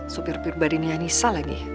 supir pribadinya nisa lagi